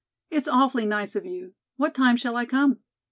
"It's awfully nice of you. What time shall I come?"